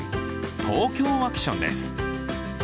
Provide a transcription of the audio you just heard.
ＴＯＫＹＯワクションです。